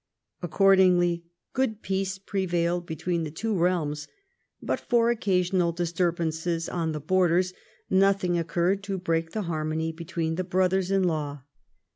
Accordingly good peace prevailed between the two realms. But for occasional disturb ances on the Borders nothing occurred to break the harmony between the brothers in law.